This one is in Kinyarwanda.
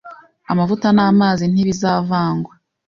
Amavuta namazi ntibizavangwa.